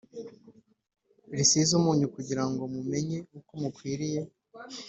risize umunyu kugira ngo mumenye uko mukwiriye